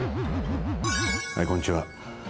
はいこんにちは。